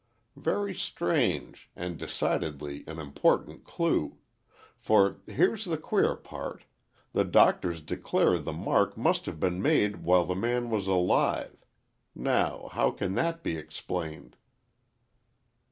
"Very strange, and decidedly an important clue. For, here's the queer part. The doctors declare the mark must have been made while the man was alive—now, how can that be explained?"